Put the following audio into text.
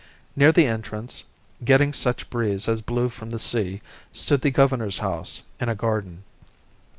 Near the entrance, getting such breeze as blew from the sea, stood the governor's house in a garden.